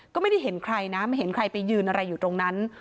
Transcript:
ก็ไม่ได้เห็นใครนะไม่เห็นใครไปยืนอะไรอยู่ตรงนั้น